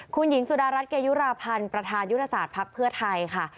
คุณหญิงสุดารัฐเกยุราพันธ์ประธานยุทธศาสตร์ภักดิ์เพื่อไทยค่ะ